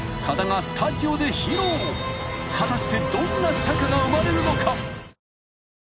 ［果たして］